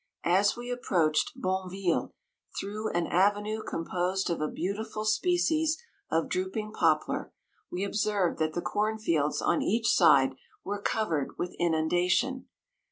As we approached Bonneville through an avenue composed of a beautiful species of drooping poplar, we ob served that the corn fields on each side 143 were covered with inundation.